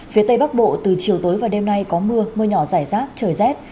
phía tây bắc bộ từ chiều tối và đêm nay có mưa mưa nhỏ rải rác trời rét